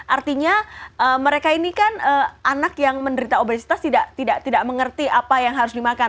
artinya mereka ini kan anak yang menderita obesitas tidak mengerti apa yang harus dimakan